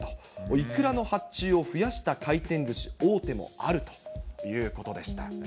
イクラの発注を増やした回転ずし大手もあるということでした。